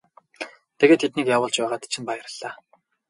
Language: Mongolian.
Тэгээд тэднийг явуулж байгаад чинь баярлалаа.